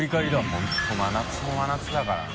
本当真夏も真夏だからね。